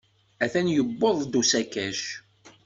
Atan yuweḍ-d usakac.